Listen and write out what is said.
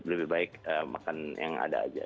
lebih baik makan yang ada aja